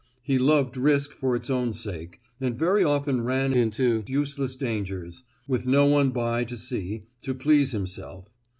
He loved risk for its own sake, and very often ran into useless dangers, with no one by to see, to please himself.